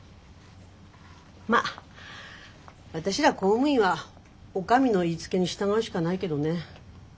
まっ私ら公務員はお上の言いつけに従うしかないけどね。